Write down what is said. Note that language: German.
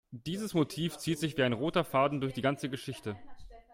Dieses Motiv zieht sich wie ein roter Faden durch die ganze Geschichte.